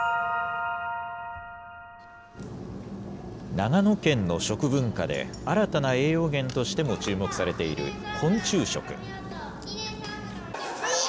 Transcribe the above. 長野県の食文化で、新たな栄養源としても注目されている昆虫食。